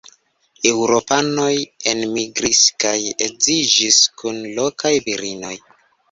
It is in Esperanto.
Eŭropanoj enmigris kaj edziĝis kun lokaj virinoj.